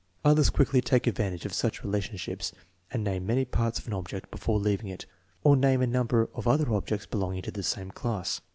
Others quickly take advantage of such relationships and name many parts of an object before leaving it, or name a number of other objects belonging to the same class.